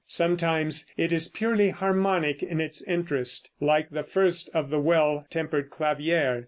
Sometimes it is purely harmonic in its interest, like the first of the "Well Tempered Clavier."